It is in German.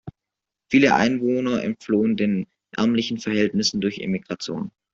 Viele Einwohner entflohen den ärmlichen Verhältnissen durch Emigration.